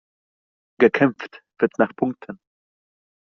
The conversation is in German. Gekämpft wird nach Punkten.